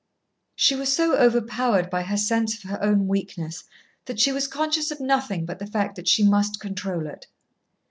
She was so overpowered by her sense of her own weakness that she was conscious of nothing but the fact that she must control it.